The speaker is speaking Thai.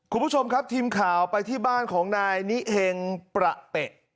คุณผู้ชมครับทีมข่าวไปที่บ้านของนายนิเฮงประเปะ